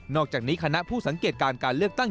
อกจากนี้คณะผู้สังเกตการการเลือกตั้ง